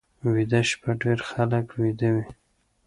ویده شپه ډېر خلک ویده وي